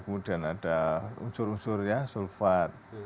kemudian ada unsur unsur ya sulfat